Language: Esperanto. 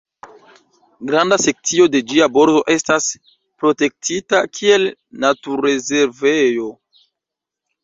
Granda sekcio de ĝia bordo estas protektita kiel naturrezervejo.